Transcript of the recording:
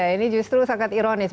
ini justru sangat ironis